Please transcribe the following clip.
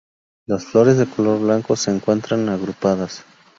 Las flores, de color blanco, se encuentran agrupadas.